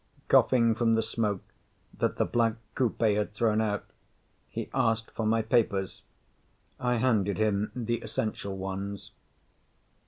Coughing from the smoke that the black coupe had thrown out, he asked for my papers. I handed him the essential ones.